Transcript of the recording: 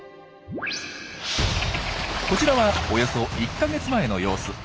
こちらはおよそ１か月前の様子。